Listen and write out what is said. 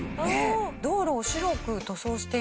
道路を白く塗装しています。